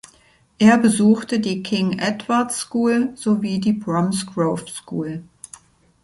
Er besuchte die King Edward's School sowie die Bromsgrove School.